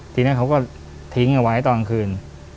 ทีนี้เค้าก็ทิ้งไว้ตอนคืน